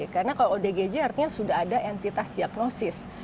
karena kalau odgj artinya sudah ada entitas diagnosis